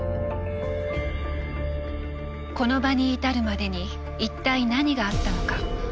この場に至るまでに一体何があったのか？